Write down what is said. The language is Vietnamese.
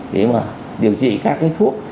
để mà điều trị các cái thuốc